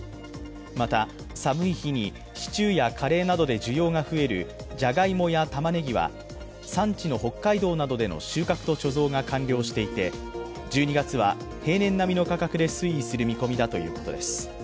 また、寒い日にシチューやカレーなどで需要が増えるじゃがいもやたまねぎは産地の北海道などでの収穫と貯蔵が完了していて１２月は平年並みの価格で推移する見込みだということです。